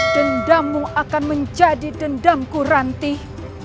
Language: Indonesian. dendamu akan menjadi dendamku rantih